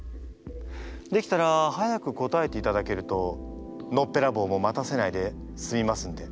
できたら早く答えていただけるとのっぺらぼうも待たせないですみますんで。